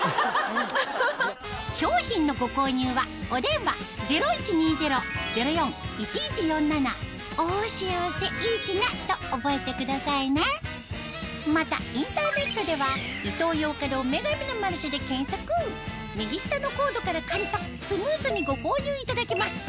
商品のご購入はお電話０１２０−０４−１１４７と覚えてくださいねまたインターネットでは右下のコードから簡単スムーズにご購入いただけます